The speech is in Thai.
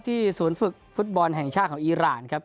ศูนย์ฝึกฟุตบอลแห่งชาติของอีรานครับ